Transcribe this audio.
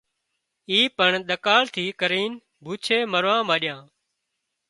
اي پڻ ۮڪاۯ ٿي ڪرينَ ڀُوڇي مروا مانڏيا